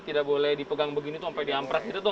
tidak boleh dipegang begini tuh sampai diampras gitu tuh